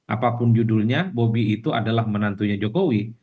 apapun judulnya bobi itu adalah menantunya jokowi